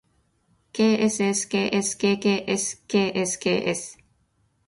ｋｓｓｋｓｋｋｓｋｓｋｓ